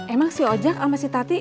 emang si ojek sama si tati